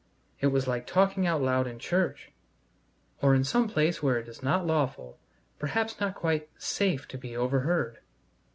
It was like talking out loud in church, or in some place where it was not lawful, perhaps not quite safe, to be overheard.